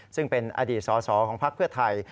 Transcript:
ซึ่งเป็นอดีตสอสอของพักเพื่อไทย